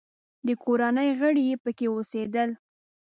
د کورنۍ غړي یې پکې اوسېدل.